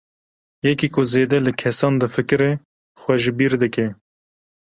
Yekî ku zêde li kesan difikire, xwe ji bîr dike.